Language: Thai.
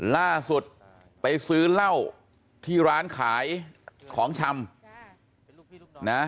ล่าสุดไปซื้อเหล้าที่ร้านขายของชำนะ